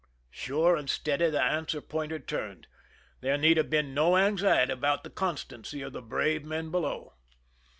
Sure and steady the answer pointer turned. There need have been no anxiety about the constancy of the brave men below.